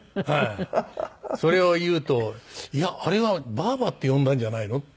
それを言うと「いやあれは“ばあば”って呼んだんじゃないの？」